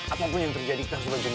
apapun yang terjadi kita harus menjenguk